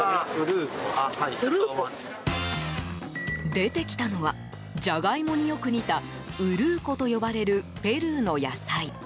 出てきたのはジャガイモによく似たウルーコと呼ばれるペルーの野菜。